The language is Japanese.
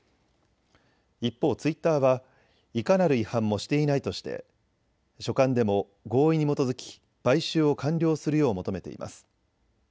一方、ツイッターはいかなる違反もしていないとして書簡でも合意に基づき買収を完了するよう求めています。